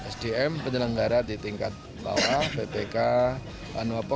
sdm penyelenggara di tingkat bawah bpk anuapo